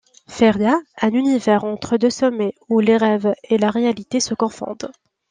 Féria, un univers entre deux sommeils où les rêves et la réalité se confondent.